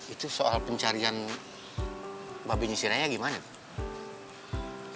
itu soal pencarian babi nyisirannya gimana tuh